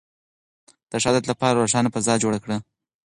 د ښه عادت لپاره روښانه فضا جوړه کړئ.